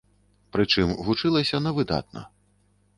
Прычым вучылася на выдатна.